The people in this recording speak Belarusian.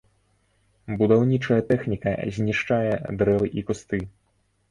Будаўнічая тэхніка знішчае дрэвы і кусты.